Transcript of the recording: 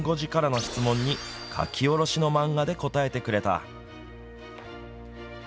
今回、きん５時からの質問に描きおろしの漫画で答えてくれた